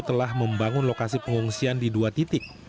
telah membangun lokasi pengungsian di dua titik